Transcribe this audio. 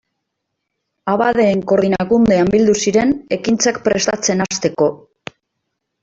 Abadeen Koordinakundean bildu ziren ekintzak prestatzen hasteko.